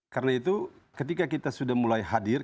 karena itu ketika kita sudah mulai hadir